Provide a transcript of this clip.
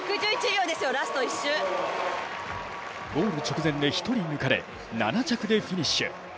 ゴール直前で１人抜かれ、７着でフィニッシュ。